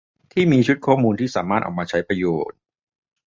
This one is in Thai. ที่มีชุดข้อมูลที่สามารถเอามาใช้ประโยชน์